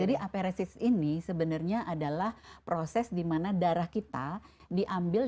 jadi aparesis ini sebenarnya adalah proses di mana darah kita diambil